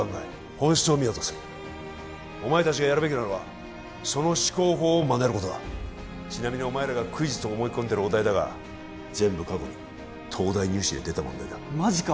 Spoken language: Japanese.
本質を見ようとするお前達がやるべきなのはその思考法をまねることだちなみにお前らがクイズと思い込んでるお題だが全部過去に東大入試で出た問題だマジか！？